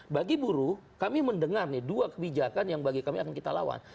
bagi buruh kami mendengar nih dua kebijakan yang bagi kami akan kita lawan